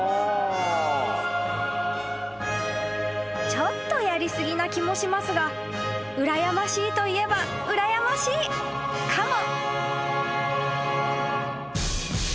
［ちょっとやり過ぎな気もしますがうらやましいといえばうらやましいかも］